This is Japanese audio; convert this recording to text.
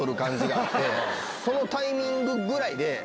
そのタイミングぐらいで。